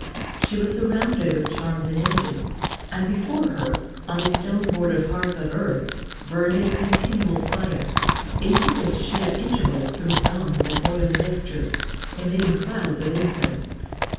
She was surrounded with charms and images, and before her, on a stone bordered hearth of earth, burned a continual fire, into which she at intervals threw gums and oily mixtures, emitting clouds of incense.